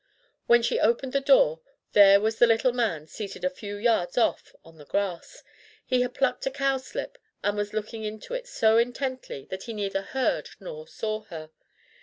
When she opened the door, there was the little man seated a few yards off on the grass. He had plucked a cowslip and was looking into it so intently that he neither heard nor saw her.